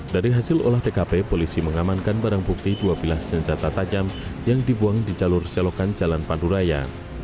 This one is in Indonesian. dari hasil olah tkp polisi mengamankan barang bukti dua pilah senjata tajam yang dibuang di jalur selokan jalan panturaya